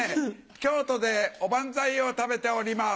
京都でおばんざいを食べております。